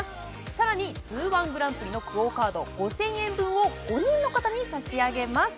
更に「Ｚ００−１グランプリ」のＱＵＯカード５０００円分を５人の方に差し上げます。